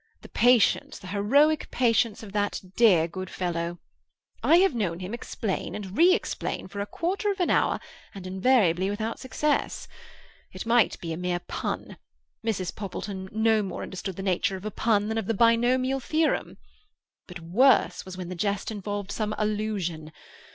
The patience, the heroic patience, of that dear, good fellow! I have known him explain, and re explain, for a quarter of an hour, and invariably without success. It might be a mere pun; Mrs. Poppleton no more understood the nature of a pun than of the binomial theorem. But worse was when the jest involved some allusion.